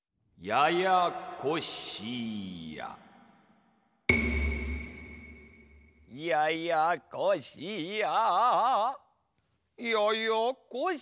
ややこしやややこしや。